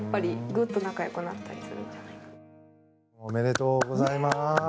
おめでとうございます。